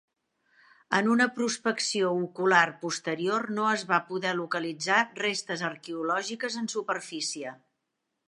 En una prospecció ocular posterior no es va poder localitzar restes arqueològiques en superfície.